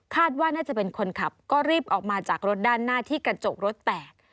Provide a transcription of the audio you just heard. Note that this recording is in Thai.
ว่าน่าจะเป็นคนขับก็รีบออกมาจากรถด้านหน้าที่กระจกรถแตก